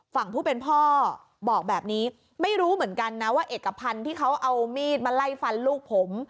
ฝั่งผู้เป็นพ่อบอกแบบนี้ไม่รู้เหมือนกันนะว่าเอกพันธ์ที่เขาเอามีดมาไล่ฟันลูกผม